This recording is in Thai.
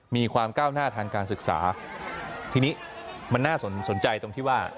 มีความก้าวหน้าทางการศึกษาทีนี้มันน่าสนใจตรงที่ว่า